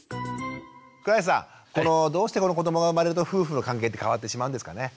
倉石さんどうしてこの子どもが生まれると夫婦の関係って変わってしまうんですかね？